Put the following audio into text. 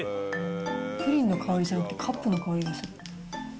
プリンの香りじゃなくて、カップの香りがする。